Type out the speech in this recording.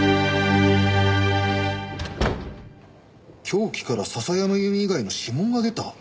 凶器から笹山由美以外の指紋が出た？